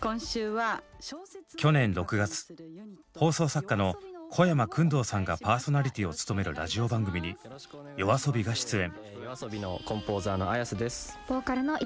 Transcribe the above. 去年６月放送作家の小山薫堂さんがパーソナリティーを務めるラジオ番組にＹＯＡＳＯＢＩが出演。